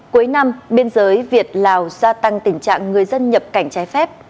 cuối năm biên giới việt lào gia tăng tình trạng người dân nhập cảnh trái phép